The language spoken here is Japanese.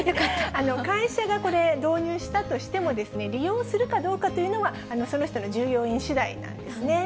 会社がこれ、導入したとしても、利用するかどうかというのは、その人の、従業員しだいなんですね。